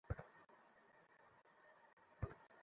আমি মামলা করতে গেলে পুলিশ বলছে তদন্ত কমিটির প্রতিবেদন নিয়ে আসেন।